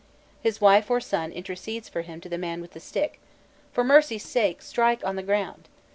His wife or his son intercedes for him to the man with the stick: "For mercy's sake strike on the ground!"